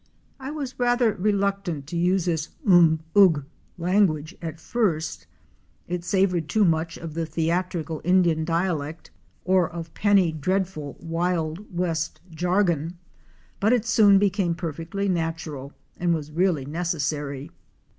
I was rather reluctant to use this wm! ugh! language at first; it savored too much of theatrical Indian dialect or of "penny dreadful" wild west jargon, but it soon became perfectly natural and was really necessary.